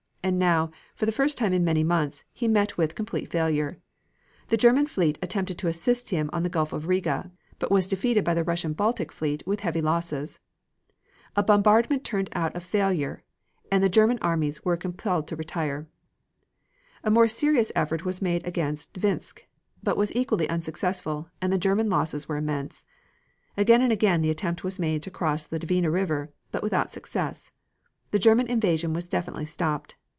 And now, for the first time in many months, he met with complete failure. The German fleet attempted to assist him on the Gulf of Riga, but was defeated by the Russian Baltic fleet with heavy losses. A bombardment turned out a failure and the German armies were compelled to retire. [Illustration: Map: Riga and Surroundings.] THE GERMAN ATTACK ON THE ROAD TO PETROGRAD A more serious effort was made against Dvinsk but was equally unsuccessful and the German losses were immense. Again and again the attempt was made to cross the Dvina River, but without success; the German invasion was definitely stopped.